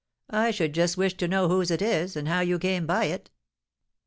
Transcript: I should just wish to know whose it is, and how you came by it?"